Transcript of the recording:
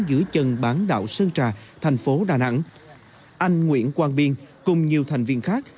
dưới chân bán đảo sơn trà thành phố đà nẵng anh nguyễn quang biên cùng nhiều thành viên khác